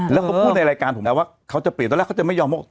แล้วเขาพูดในรายการผมนะว่าเขาจะเปลี่ยนตอนแรกเขาจะไม่ยอม